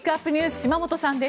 島本さんです。